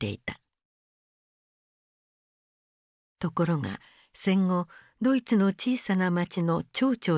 ところが戦後ドイツの小さな町の町長になっていた。